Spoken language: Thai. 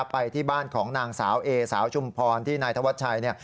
ไปที่บ้านของนางสาวเอสาวชุมพรที่นายธวัชชัย